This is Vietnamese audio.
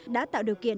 đã tạo điều kiện